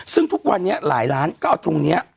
ซึ่งทุกวันนี้หลายล้านก็เอาตรงนี้